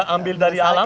ambil dari alam